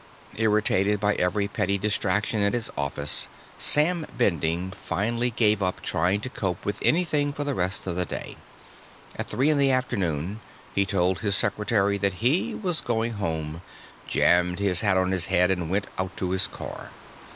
Irritated by every petty distraction at his office, Sam Bending finally gave up trying to cope with anything for the rest of the day. At three in the afternoon, he told his secretary that he was going home, jammed his hat on his head, and went out to his car.